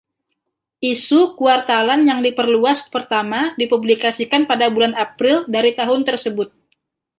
Isu kuartalan yang diperluas pertama dipublikasikan pada bulan April dari tahun tersebut.